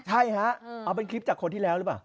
ใช่ฮะเอาเป็นคลิปจากคนที่แล้วหรือเปล่า